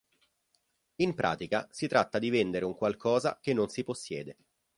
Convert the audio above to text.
In pratica si tratta di vendere un qualcosa che non si possiede.